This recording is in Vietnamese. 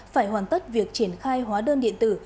phải hoàn tất việc triển khai hóa đơn điện tử